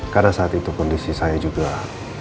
karena saat itu kondisi saya juga